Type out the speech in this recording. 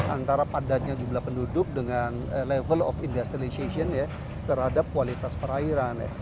antara padatnya jumlah penduduk dengan level of industrilization ya terhadap kualitas perairan